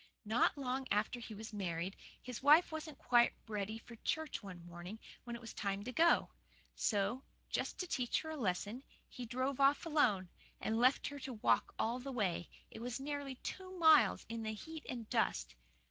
"Not long after he was married his wife wasn't quite ready for church one morning when it was time to go. So, just to teach her a lesson, he drove off alone, and left her to walk all the way it was nearly two miles in the heat and dust.